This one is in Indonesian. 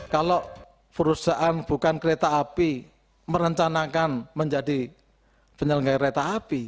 kalau perusahaan bukan kereta api merencanakan menjadi penyelenggara kereta api